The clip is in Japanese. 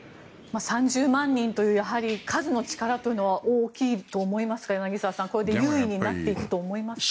３０万人という数の力というのは大きいと思いますが柳澤さんこれで優位になっていくと思いますか？